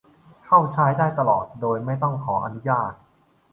เข้าใช้ได้ตลอดโดยไม่ต้องขออนุญาต